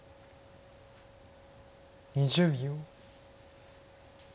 ２０秒。